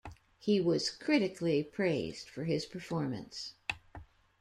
He was critically praised for his performance.